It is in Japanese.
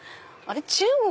中国？